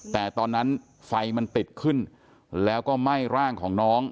แต่ตอนนั้นไฟมันติดขึ้นแล้วก็ไหม้ร่างของน้อง